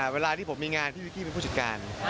เวลาที่ผมมีงานพี่วิกกี้เป็นผู้จัดการ